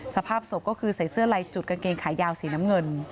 สภาพศพก็คือใส่เสื้อลายจุดกางเกงขายาวสีน้ำเงิน